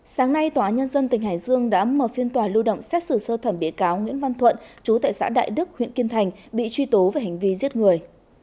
sáng nay tòa nhân dân tỉnh hải dương đã mở phiên tòa lưu động xét xử sơ thẩm bị cáo nguyễn văn thuận chú tại xã đại đức huyện kim thành bị truy tố về hành vi giết người